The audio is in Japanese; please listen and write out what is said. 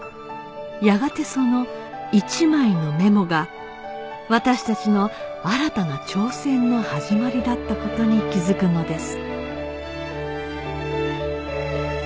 やがてその１枚のメモが私たちの新たな挑戦の始まりだった事に気づくのです